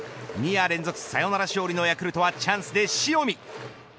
２夜連続サヨナラ勝利のヤクルトはチャンスで塩見。